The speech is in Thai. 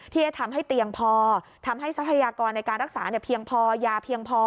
ที่จะทำให้เตียงพอทำให้ทรัพยากรในการรักษาเพียงพอยาเพียงพอ